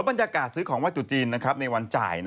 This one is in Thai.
บรรยากาศซื้อของว่าตุจีนในวันจ่าย